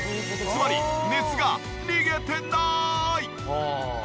つまり熱が逃げてない！